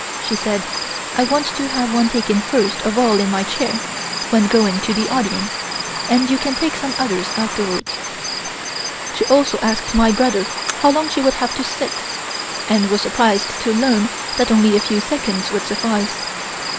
She said: "I want to have one taken first of all in my chair, when going to the audience, and you can take some others afterwards." She also asked my brother how long she would have to sit, and was surprised to learn that only a few seconds would suffice.